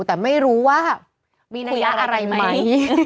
แต่ไม่รู้ว่ามีคุยอะไรไหม